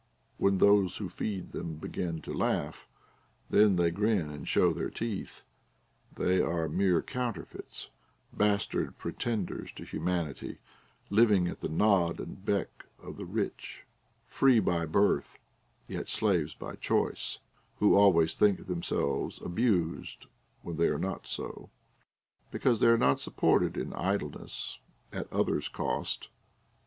When those who feed them begin to laugh, then they grin and show their teeth. They are mere counterfeits, bastard pretenders to humanity, living at the nod and beck of the rich ; free by birth, yet slaves by choice, who always think themselves abused when they are not so, because they are not supported in idleness at others' cost.